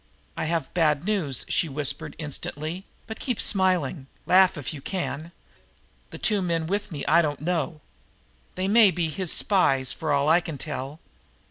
"I have bad news," she whispered instantly, "but keep smiling. Laugh if you can. The two men with me I don't know. They may be his spies for all we can tell.